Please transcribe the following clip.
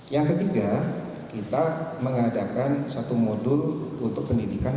yang ketiga kita mengadakan satu modul untuk pendidikan mengenai peraturan peraturan yang ada di indonesia